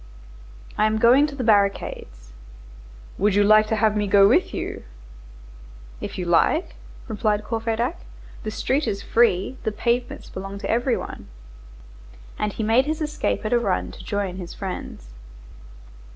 "I am going to the barricades." "Would you like to have me go with you?" "If you like!" replied Courfeyrac. "The street is free, the pavements belong to every one." And he made his escape at a run to join his friends.